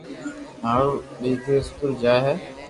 مارو دآڪرو اسڪول جائي ھي